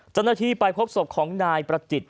เจ้าหน้าที่ไปพบศพของนายประจิต